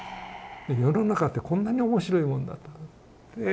世の中ってこんなに面白いもんだったかな。